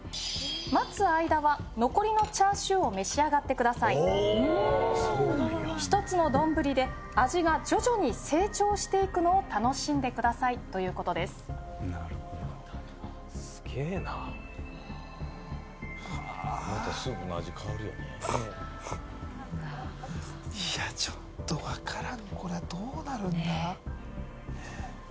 待つ間は残りのチャーシューを召し上がってくださいおおーそうなんや１つの丼で味が徐々に成長していくのを楽しんでくださいということですなるほどすげえなまたスープの味変わるよねうわーいやちょっとわからんこりゃどうなるんだ？